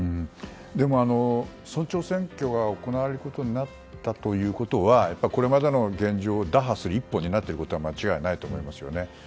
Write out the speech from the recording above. でも、村長選挙が行われることになったということはこれまでの現状を打破する一歩になっていることは間違いないと思いますよね。